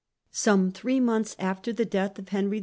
Some three months after the death of Henry VI.